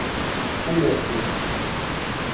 Ad nerfu.